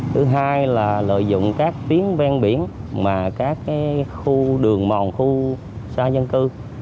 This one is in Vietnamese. thứ hai là lợi dụng các tuyến ven biển mà các khu đường mòn khu xa dân cư